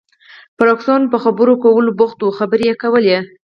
فرګوسن په خبرو کولو بوخته وه، خبرې یې کولې.